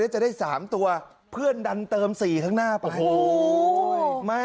จะได้๓ตัวเพื่อนดันเติม๔ข้างหน้าไป